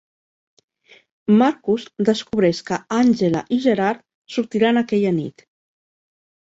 Marcus descobreix que Àngela i Gerard sortiran aquella nit.